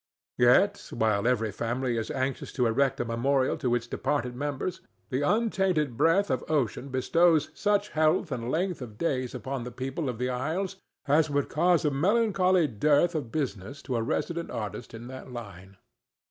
Yet, while every family is anxious to erect a memorial to its departed members, the untainted breath of Ocean bestows such health and length of days upon the people of the isles as would cause a melancholy dearth of business to a resident artist in that line.